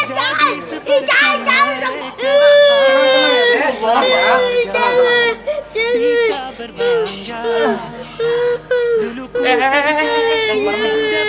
jangan sakit jangan jelah jelah